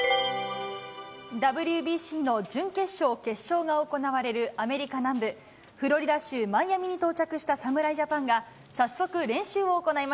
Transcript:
ＷＢＣの準決勝、決勝が行われるアメリカ南部フロリダ州マイアミに到着した侍ジャ